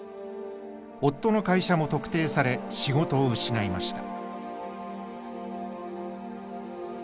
夫の会社も特定され仕事を失いました。